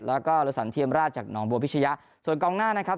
แล้วก็เรือสันเทียมราชจากหนองบัวพิชยะส่วนกองหน้านะครับ